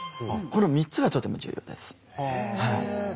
この３つがとても重要です。